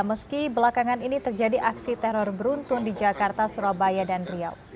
meski belakangan ini terjadi aksi teror beruntun di jakarta surabaya dan riau